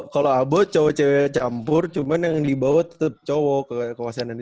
kalau abu cowok cewoknya campur cuman yang dibawa tetep cowok ke kewasanan dia